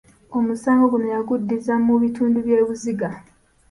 Omusango guno yaguddiza mu bitundu by’e Buziga.